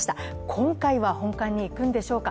今回は本館に行くのでしょうか？